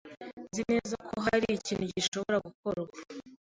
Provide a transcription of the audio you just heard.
Nzi neza ko hari ikintu gishobora gukorwa.